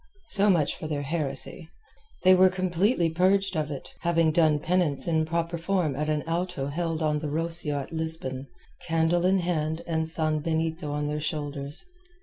So much for their heresy. They were completely purged of it, having done penance in proper form at an Auto held on the Rocio at Lisbon, candle in hand and sanbenito on their shoulders.